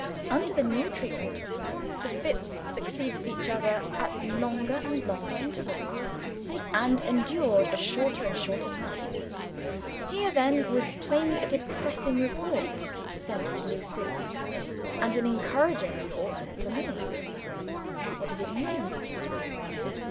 Under the new treatment, the fits succeeded each other at longer and longer intervals, and endured a shorter and shorter time. Here then was plainly a depressing report sent to Lucilla, and an encouraging report sent to me. What did it mean?